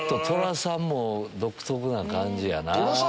トラさんも独特な感じやな。